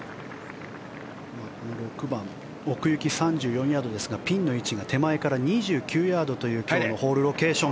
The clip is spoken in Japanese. ６番、奥行き３４ヤードですがピンの位置が手前から２９ヤードという今日のホールロケーション。